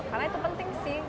karena itu penting sih